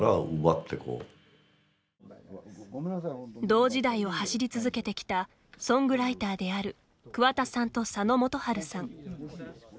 同時代を走り続けてきたソングライターである桑田さんと佐野元春さん。